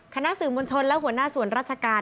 คณะสื่อมวลชนและหัวหน้าส่วนราชการ